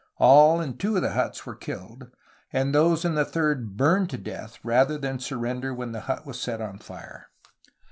All in two 'of the huts were killed, and those in the third burned to death rather than surrender when the hut was set on fire.